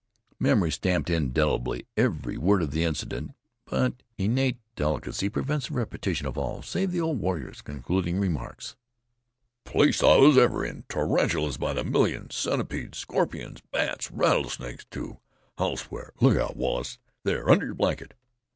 Memory stamped indelibly every word of that incident; but innate delicacy prevents the repetition of all save the old warrior's concluding remarks: "!!! place I was ever in! Tarantulas by the million centipedes, scorpions, bats! Rattlesnakes, too, I'll swear. Look out, Wallace! there, under your blanket!"